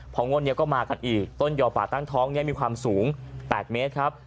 พองวดนี้ก็มากันอีกต้นยอป่าตั้งท้องนี้มีความสูง๘เมตรครับ